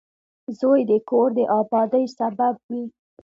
• زوی د کور د آبادۍ سبب وي.